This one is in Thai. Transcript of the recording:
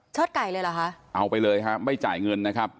ไก่เลยเหรอคะเอาไปเลยฮะไม่จ่ายเงินนะครับ